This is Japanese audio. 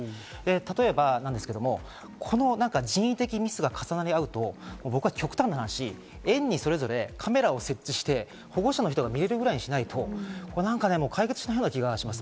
例えばなんですけど、この人為的ミスが重なり合うと、僕は極端な話、園にそれぞれカメラを設置して保護者の人が見られるぐらいにしないと解決しないような気がします。